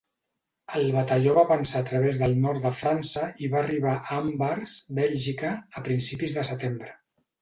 El batalló va avançar a través del nord de França i va arribar a Anvers, Bèlgica, a principis de setembre.